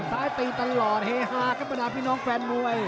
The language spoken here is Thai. ตีตลอดเฮฮาครับบรรดาพี่น้องแฟนมวย